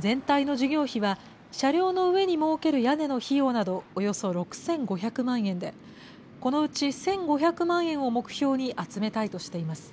全体の事業費は、車両の上に設ける屋根の費用などおよそ６５００万円で、このうち１５００万円を目標に集めたいとしています。